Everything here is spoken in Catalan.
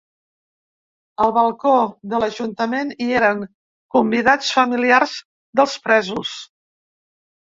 Al balcó de l’ajuntament hi eren convidats familiars dels presos.